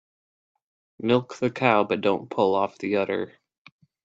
Milk the cow but don't pull off the udder.